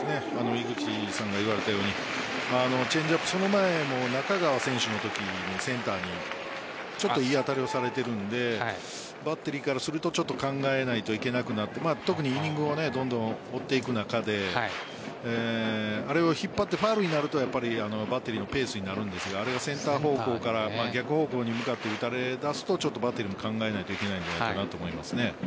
井口さんが言われたようにチェンジアップその前の中川選手のときもセンターにいい当たりをされているのでバッテリーからするとちょっと考えないといけなくなっているイニングをどんどん持っていく中であれを引っ張ってファウルになるとバッテリーのペースになるんですがあれがセンター方向から逆方向に向かって打たれだすとバッテリーも考えないといけないのかなと思います。